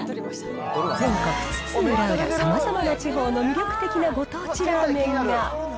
全国津々浦々、さまざまな地方の魅力的なご当地ラーメンが。